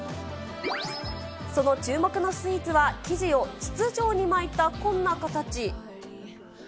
その注目のスイーツは、生地を筒状に巻いたこんな形。